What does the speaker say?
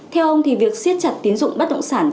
theo ông thì việc siết chặt tín dụng bất động sản